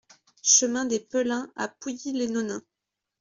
Chemin des Pellins à Pouilly-les-Nonains